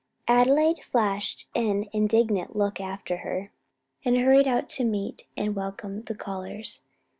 Adelaide flashed an indignant look after her, and hurried out to meet and welcome the callers.